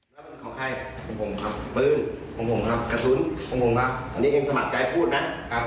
แล้วมันของใครกับผมครับ